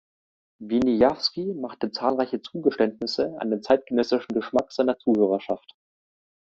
Wieniawski macht zahlreiche Zugeständnisse an den zeitgenössischen Geschmack seiner Zuhörerschaft.